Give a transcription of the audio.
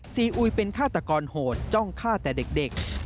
อุ๋ยเป็นฆาตกรโหดจ้องฆ่าแต่เด็ก